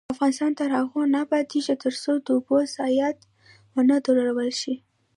افغانستان تر هغو نه ابادیږي، ترڅو د اوبو ضایعات ونه درول شي.